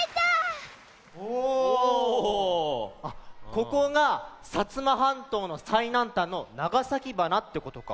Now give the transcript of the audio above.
ここが摩半島のさいなんたんの長崎鼻ってことか。